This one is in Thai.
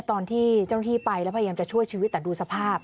ตอนที่เจ้าหน้าที่ไปแล้วพยายามจะช่วยชีวิตแต่ดูสภาพ